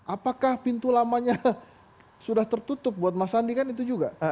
apakah pintu lamanya sudah tertutup buat mas sandi kan itu juga